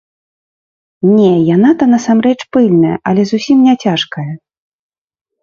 Не, яна то, насамрэч, пыльная, але зусім не цяжкая.